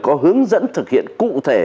có hướng dẫn thực hiện cụ thể